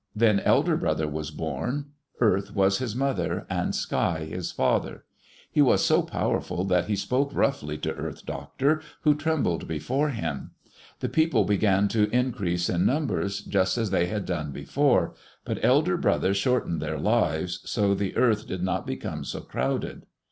Then Elder Brother was born. Earth was his mother, and Sky his father. He was so powerful that he spoke roughly to Earth Doctor, who trembled before him. The people began to increase in numbers, just as they had done before, but Elder Brother shortened their lives, so the earth did not become so crowded.